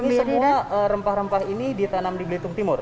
ini semua rempah rempah ini ditanam di belitung timur